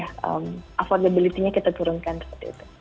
jadi ya affordability nya kita turunkan seperti itu